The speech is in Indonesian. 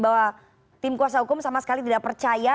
bahwa tim kuasa hukum sama sekali tidak percaya